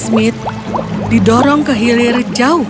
mereka pergi ke dalam air terjun